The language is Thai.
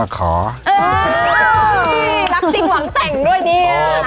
ขอรักจริงหวังแต่งด้วยเนี่ย